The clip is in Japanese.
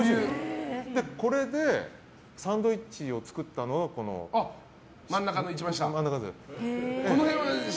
これでサンドイッチを作ったのが真ん中の下のやつ。